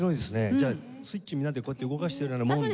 じゃあスイッチをみんなでこうやって動かしてるようなものですね。